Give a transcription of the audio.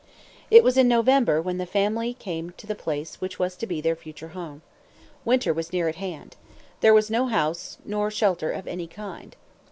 It was in November when the family came to the place which was to be their future home. Winter was near at hand. There was no house, nor shelter of any kind.